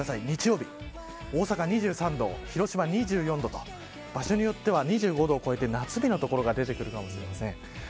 日曜日、大阪２３度広島２４度と場所によっては２５度を超えて夏日の所が出てくるかもしれません。